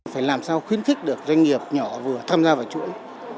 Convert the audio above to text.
phải làm sao khuyến khích được doanh nghiệp nhỏ vừa tham gia vào chuỗi